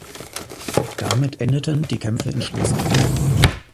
Damit endeten die Kämpfe in Schlesien.